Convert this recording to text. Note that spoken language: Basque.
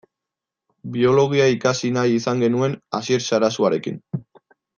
Biologia ikasi nahi izan genuen Asier Sarasuarekin.